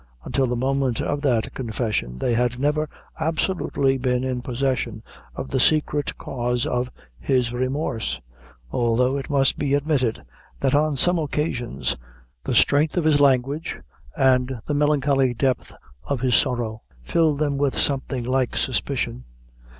Until the moment of that confession, they had never absolutely been in possession of the secret cause of his remorse although, it must be admitted, that, on some occasions, the strength of his language and the melancholy depth of his sorrow, filled them with something like suspicion.